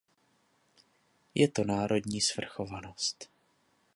Je to národní svrchovanost.